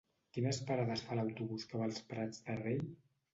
Quines parades fa l'autobús que va als Prats de Rei?